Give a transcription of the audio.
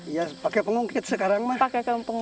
iya pakai pengungkit sekarang